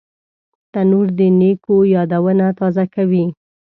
تنور د نیکو یادونه تازه کوي